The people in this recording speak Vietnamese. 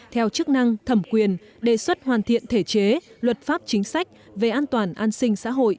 theo chức năng thẩm quyền đề xuất hoàn thiện thể chế luật pháp chính sách về an toàn an sinh xã hội